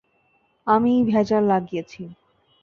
আমিই ভেজাল লাগিয়েছি।